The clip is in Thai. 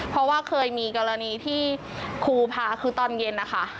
เพราะว่าเคยมีกรณีที่ครูพาคือตอนเย็นนะคะ